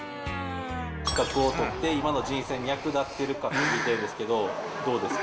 資格を取って、今の人生に役立ってるか聞きたいんですけど、どうですか？